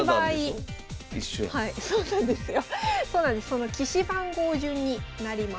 その棋士番号順になります。